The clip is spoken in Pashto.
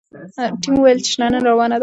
ټیم وویل چې شننه روانه ده.